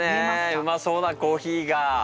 うまそうなコーヒーが。